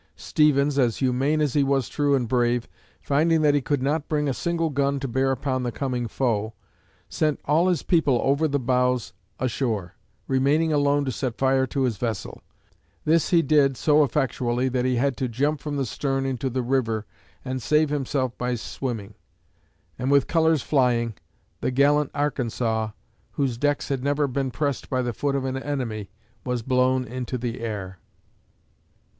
Stevens, as humane as he was true and brave, finding that he could not bring a single gun to bear upon the coming foe, sent all his people over the bows ashore, remaining alone to set fire to his vessel; this he did so effectually that he had to jump from the stern into the river and save himself by swimming; and with colors flying, the gallant Arkansas, whose decks had never been pressed by the foot of an enemy, was blown into the air.